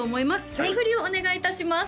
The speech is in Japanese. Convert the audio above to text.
曲振りをお願いいたします